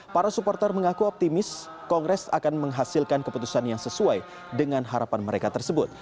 para supporter mengaku optimis kongres akan menghasilkan keputusan yang sesuai dengan harapan mereka tersebut